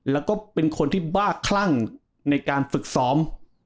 แล้วก็เป็นคนที่บ้าคลั่งในการฝึกซ้อม